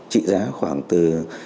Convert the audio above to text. trị giá khoảng từ